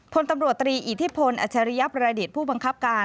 พลตำรวจตรีอิทธิพลอเชรยรยร์รายและระดีศผู้บังคับการ